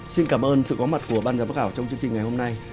xin cảm ơn sự có mặt của ban giám khảo trong chương trình ngày hôm nay